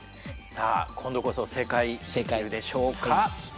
さあ今度こそ正解できるでしょうか。